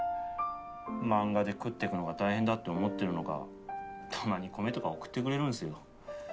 漫画で食っていくのが大変だって思ってるのかたまに米とか送ってくれるんすよ。